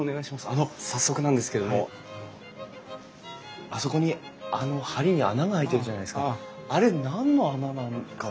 あの早速なんですけどもあそこにあの梁に穴が開いてるじゃないですかあれ何の穴なのか。